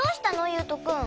ゆうとくん。